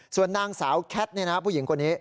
ส่วนนางสาวแคทผู้หญิงคนนี้